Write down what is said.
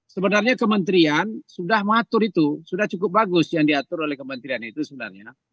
sebenarnya kementerian sudah mengatur itu sudah cukup bagus yang diatur oleh kementerian itu sebenarnya